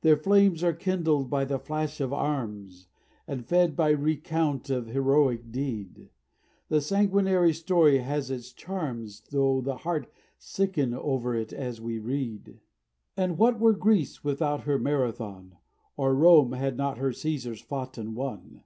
"Their flames are kindled by the flash of arms, And fed by recount of heroic deed; The sanguinary story has its charms Tho the heart sicken o'er it as we read. "And what were Greece without her Marathon? Or Rome, had not her Caesars fought and won?